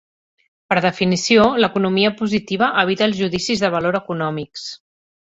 Per definició, l'economia positiva evita els judicis de valor econòmics.